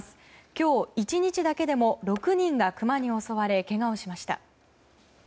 今日１日だけでも６人がクマに襲われけがをしました。